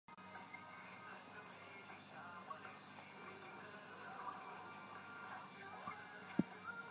延平柿为柿科柿属下的一个种。